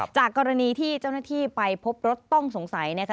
จากกรณีที่เจ้าหน้าที่ไปพบรถต้องสงสัยนะคะ